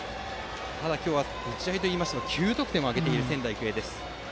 ただ、今日は打ち合いといっても９得点を挙げている仙台育英です。